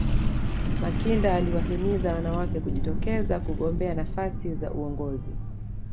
makinda aliwahimiza wanawake kujitokeza kugombea nafasi za uongozi